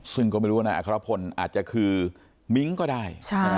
ซึ่งก็ไม่รู้นะครับผลอาจจะคือมิ้งค์ก็ได้